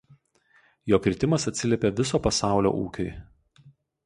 Jo kritimas atsiliepė viso pasaulio ūkiui.